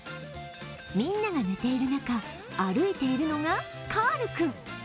みんなが寝ている中、歩いているのがカール君。